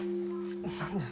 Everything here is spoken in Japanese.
何です？